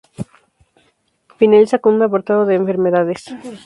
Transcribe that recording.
Finaliza con un apartado de enfermedades.